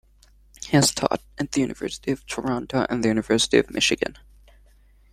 He has taught at the University of Toronto and the University of Michigan.